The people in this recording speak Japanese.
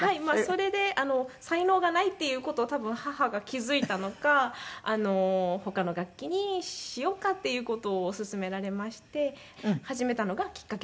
それで才能がないっていう事を多分母が気付いたのか他の楽器にしようかっていう事を勧められまして始めたのがきっかけです。